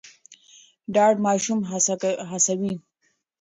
ډاډ ماشوم هڅوي.